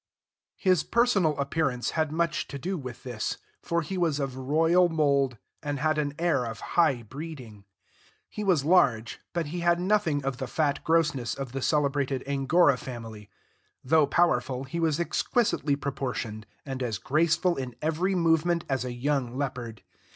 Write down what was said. His personal appearance had much to do with this, for he was of royal mould, and had an air of high breeding. He was large, but he had nothing of the fat grossness of the celebrated Angora family; though powerful, he was exquisitely proportioned, and as graceful in every movement as a young leopard.